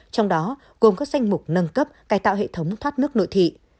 trong đó gồm các danh mục nâng cấp cài tạo hệ thống thoát nước nội thị